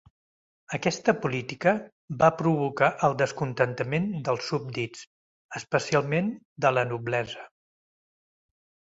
Aquesta política va provocar el descontentament dels súbdits, especialment de la noblesa.